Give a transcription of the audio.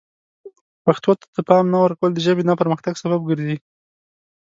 پښتو ته د پام نه ورکول د ژبې نه پرمختګ سبب ګرځي.